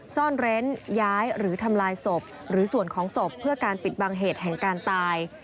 ซ่อนเร้นย้ายหรือทำลายศพหรือส่วนของศพเพื่อการปิดบังเหตุแห่งการตาย